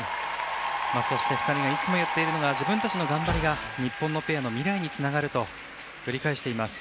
そして２人がいつも言っているのが自分たちの頑張りが日本のペアに未来につながると繰り返しています。